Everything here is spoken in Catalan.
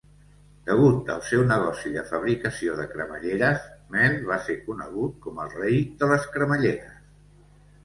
Degut al seu negoci de fabricació de cremalleres, Mel va se conegut com "El Rei de les cremalleres".